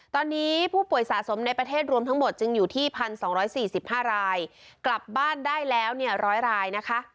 ตอนนี้ผู้ป่วยสะสมในประเทศรวมทั้งหมดจึงอยู่ที่พันสองร้อยสี่สิบห้ารายกลับบ้านได้แล้วเนี่ยร้อยรายนะคะ